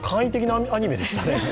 ちょっと簡易的なアニメでしたね。